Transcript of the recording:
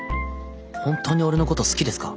本当に俺のこと好きですか？